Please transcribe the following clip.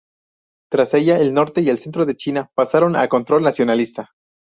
Tras ella el norte y centro de China pasaron a control nacionalista.